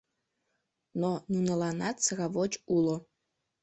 Но нуныланат сравоч уло.